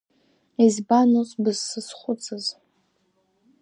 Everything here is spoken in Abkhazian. Избан, ус бызсызхәыцыз!